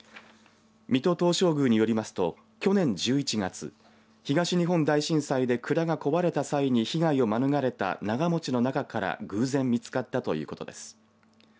水戸東照宮によりますと去年１１月東日本大震災で蔵が壊れた際に被害を免れた長もちの中から偶然見つかったということです。